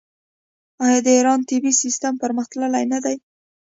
آیا د ایران طبي سیستم پرمختللی نه دی؟